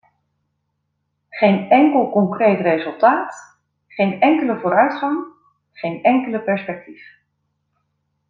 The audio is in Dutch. Geen enkel concreet resultaat, geen enkele vooruitgang, geen enkele perspectief.